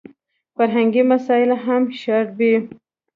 فرهنګي مسایل هم شاربي.